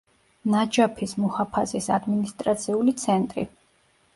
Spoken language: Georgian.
ნაჯაფის მუჰაფაზის ადმინისტრაციული ცენტრი.